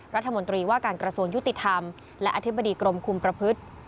รัฐมนตรีว่าการกระทรวงยุติธรรมและอธิบดีกรมคุมประพฤติ